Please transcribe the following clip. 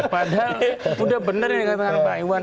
padahal sudah benar yang dikatakan pak iwan